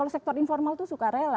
sektor informal itu suka rela